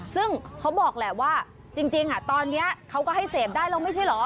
ซึ่งเขาบอกแหละว่าจริงตอนนี้เขาก็ให้เสพได้แล้วไม่ใช่เหรอ